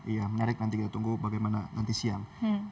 iya menarik nanti kita tunggu bagaimana nanti siang